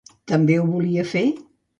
També ho volia fer?